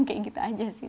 kayak gitu aja sih